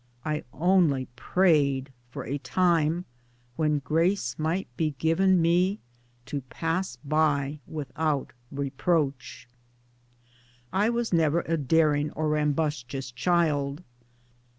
I only prayed for a time when grace migiit be given me to pass by without reproach. I was never a daring or rumbustious child.